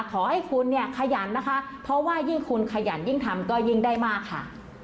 ขอให้คุณเนี่ยขยันนะคะเพราะว่ายิ่งคุณขยันยิ่งทำก็ยิ่งได้มากค่ะ